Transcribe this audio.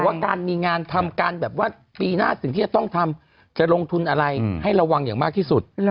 ว่าการมีงานทำการแบบว่าปีหน้าสิ่งที่จะต้องทำจะลงทุนอะไรให้ระวังอย่างมากที่สุด